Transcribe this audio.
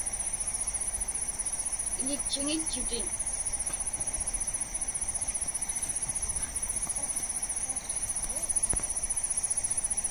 Iḷitchiŋitchutin.